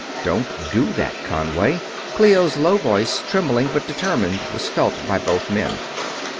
"Don't do that, Conway," Clio's low voice, trembling but determined, was felt by both men.